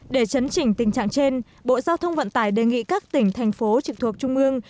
để chấn chỉnh tình trạng trên bộ giao thông vận tải đề nghị các tỉnh thành phố trực thuộc trung ương